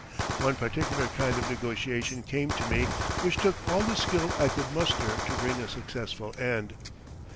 One particular kind of negotiation came to me which took all the skill I could master to bring to a successful end.